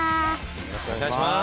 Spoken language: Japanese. よろしくお願いします。